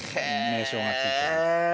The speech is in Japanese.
名称が付いてます。